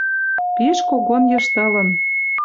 Пиш когон йыштылын